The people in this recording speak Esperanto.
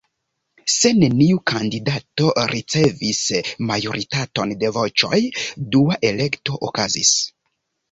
Se neniu kandidato ricevis majoritaton de voĉoj, dua elekto okazis.